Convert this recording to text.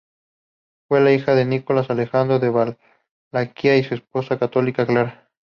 Fue la hija de Nicolás Alejandro de Valaquia y su esposa católica, Clara.